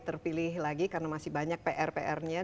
terpilih lagi karena masih banyak pr pr nya